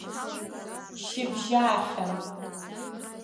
Шьыбжьаахьан.